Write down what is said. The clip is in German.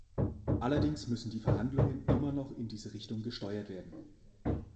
Allerdings müssen die Verhandlungen immer noch in diese Richtung gesteuert werden.